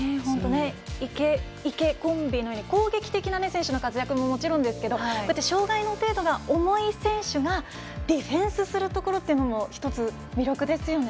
イケ・イケコンビのように攻撃的な選手の活躍ももちろんですけど障がいの程度が重い選手がディフェンスするところも１つ、魅力ですよね。